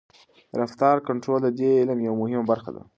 د رفتار کنټرول د دې علم یوه مهمه برخه ده.